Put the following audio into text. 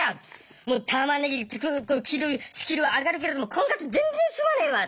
もうタマネギ切るスキルは上がるけれども婚活全然進まねぇわ！